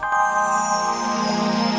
jadi kita ada tiga teman saja ya